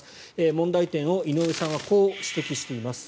問題点を井上さんはこう指摘しています。